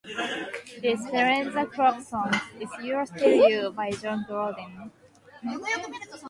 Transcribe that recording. The Esperanza Corps Song is "You're Still You" by Josh Groban.